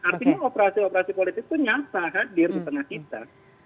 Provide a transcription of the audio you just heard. artinya operasi operasi politik itu nyata hadir di tengah kita